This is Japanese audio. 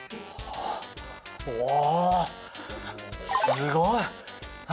すごい！何？